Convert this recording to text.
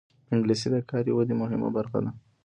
انګلیسي د کاري ودې مهمه برخه ده